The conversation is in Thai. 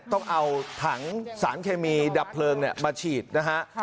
ต้องเอาถังสารเคมีดับเพลิงมาฉีดนะฮะ